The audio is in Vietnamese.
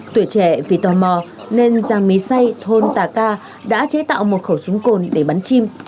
tuổi trẻ vì tò mò nên giang mí xây thôn tà ca đã chế tạo một khẩu súng cồn để bắn chim